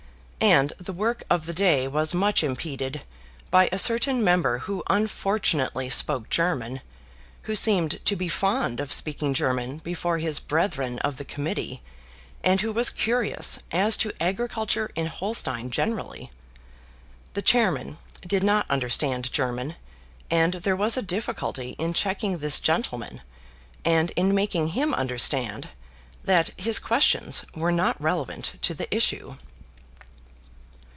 And the work of the day was much impeded by a certain member who unfortunately spoke German, who seemed to be fond of speaking German before his brethren of the Committee, and who was curious as to agriculture in Holstein generally. The chairman did not understand German, and there was a difficulty in checking this gentleman, and in making him understand that his questions were not relevant to the issue.